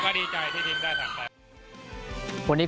ก็ดีใจที่ทีมได้ผลักไป